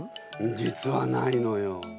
実はないのよ。